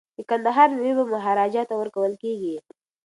د کندهار میوې به مهاراجا ته ورکول کیږي.